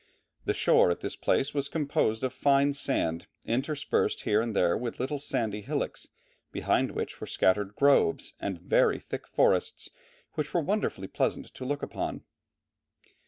The shore at this place was composed of fine sand interspersed here and there with little sandy hillocks, behind which were scattered "groves and very thick forests which were wonderfully pleasant to look upon."